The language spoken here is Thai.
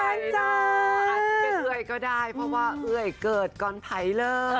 อาจจะเป็นเอ่ยก็ได้เพราะว่าเอ่ยเกิดก่อนภัยเลย